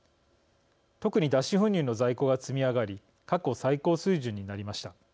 特に脱脂粉乳の在庫が積み上がり過去最高水準になりました。